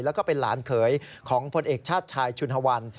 แล้วก็เป็นหลานเขยของพลเอกชาติชายชุนฮวัน